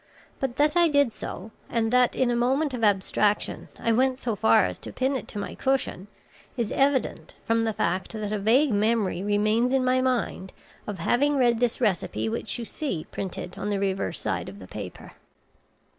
But that I did do so, and that, in a moment of abstraction I went so far as to pin it to my cushion, is evident from the fact that a vague memory remains in my mind of having read this recipe which you see printed on the reverse side of the paper."